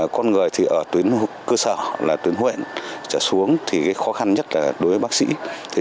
con người ở tuyến cơ sở tuyến huyện trở xuống khó khăn nhất là đối với bác sĩ